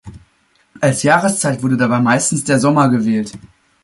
Als Jahreszeit wurde dabei meistens der Sommer gewählt.